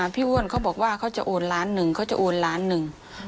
อ้วนเขาบอกว่าเขาจะโอนล้านหนึ่งเขาจะโอนล้านหนึ่ง